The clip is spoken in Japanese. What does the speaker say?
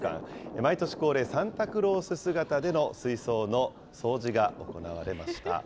毎年恒例、サンタクロース姿での水槽の掃除が行われました。